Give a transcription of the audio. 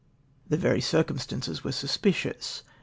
The very circumstances were suspicious.